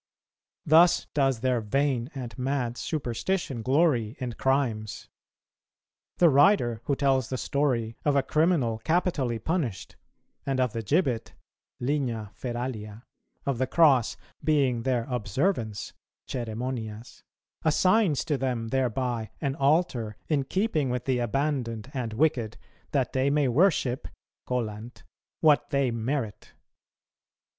Thus does their vain and mad superstition glory in crimes. .. The writer who tells the story of a criminal capitally punished, and of the gibbet (ligna feralia) of the cross being their observance (ceremonias), assigns to them thereby an altar in keeping with the abandoned and wicked, that they may worship (colant) what they merit.